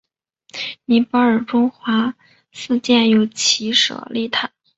尼泊尔中华寺建有其舍利塔。